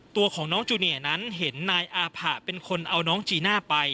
ตัวของน้องจูเนียนั้นเห็นนายอาผะเป็นคนเอาน้องจีน่าไป